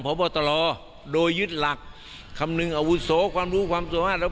พบตรโดยยึดหลักคำนึงอาวุโสความรู้ความสามารถแล้ว